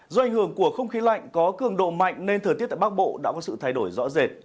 do ảnh hưởng của không khí lạnh có cường độ mạnh nên thời tiết tại bắc bộ đã có sự thay đổi rõ rệt